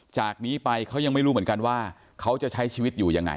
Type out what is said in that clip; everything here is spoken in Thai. จากนี้ไปเขายังไม่รู้เหมือนกันว่าเขาจะใช้ชีวิตอยู่ยังไง